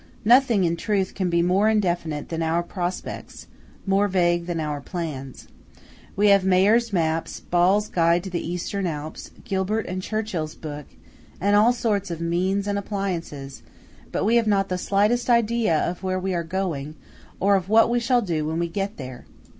Nothing, in truth, can be more indefinite than our prospects, more vague than our plans. We have Mayr's maps, Ball's Guide to the Eastern Alps, Gilbert and Churchill's book, and all sorts of means and appliances; but we have not the slightest idea of where we are going, or of what we shall do when we get there.